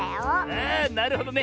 あなるほどね。